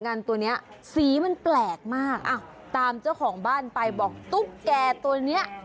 ันตัวเนี้ยสีมันแปลกมากอ่ะตามเจ้าของบ้านไปบอกตุ๊กแก่ตัวเนี้ย